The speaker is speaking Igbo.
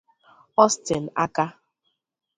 Austin Aka